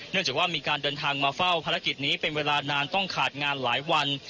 จากว่ามีการเดินทางมาเฝ้าภารกิจนี้เป็นเวลานานต้องขาดงานหลายวัน